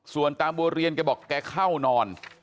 ส่วนตาบัวเรียนแกบอกแกเข้านอน